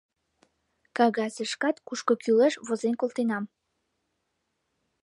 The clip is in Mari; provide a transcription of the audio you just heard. Кагазышкат кушко кӱлеш возен колтенам.